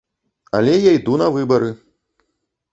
Але я іду на выбары!